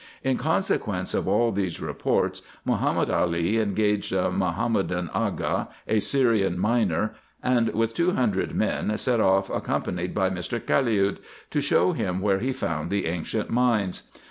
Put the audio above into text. In consequence of all these reports Mahomed Ali engaged a Ma homedan Aga, a Syrian miner, and, with two hundred men, set off accompanied by Mr. Caliud, to show him where he found the ancient mines.